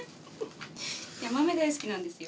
いや豆大好きなんですよ。